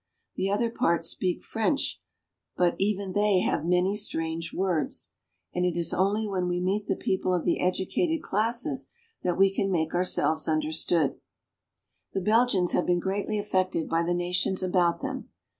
The other part speak French, but even they have many strange words, and it is only when we meet the people of the educated classes that we can make ourselves understood. The Belgians have been greatly affected by the nations about them.